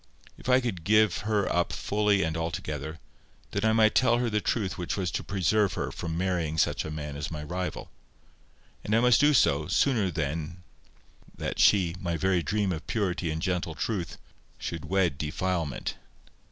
If I could give her up fully and altogether, then I might tell her the truth which was to preserve her from marrying such a man as my rival. And I must do so, sooner than that she, my very dream of purity and gentle truth, should wed defilement.